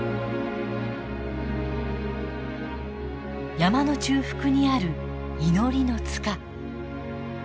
山の中腹にある祈りの塚。